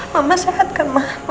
mama sehat kan mama